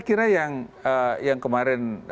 kira yang kemarin